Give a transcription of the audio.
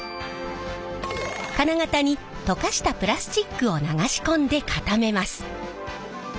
金型に溶かしたプラスチックを流し込んで固めます。